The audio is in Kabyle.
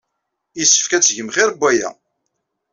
Yessefk ad tgem xir n waya.